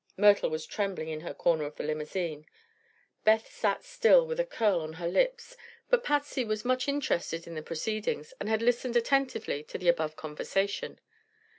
Myrtle was trembling in her corner of the limousine. Beth sat still with a curl on her lips. But Patsy was much interested in the proceedings and had listened attentively to the above conversation.